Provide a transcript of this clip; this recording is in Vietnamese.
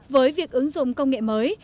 với việc ứng dụng công nghệ mới